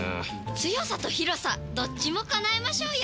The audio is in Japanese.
強さと広さどっちも叶えましょうよ！